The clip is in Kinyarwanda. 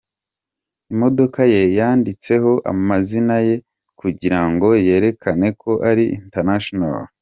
Imodoka ye yanditseho amazina ye kugira ngo yerekane ko ari International.